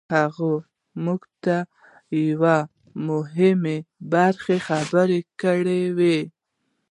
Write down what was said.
هغه موږ ته يوه مهمه خبره کړې وه.